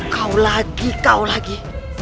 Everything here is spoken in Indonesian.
kau lagi kau lagi